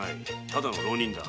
ただの浪人だ。